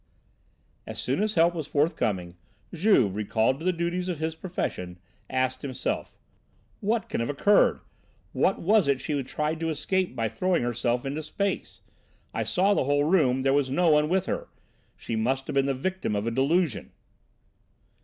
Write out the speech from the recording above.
As soon as help was forthcoming, Juve, recalled to the duties of his profession, asked himself: "What can have occurred? What was it she tried to escape by throwing herself into space? I saw the whole room, there was no one with her. She must have been the victim of a delusion."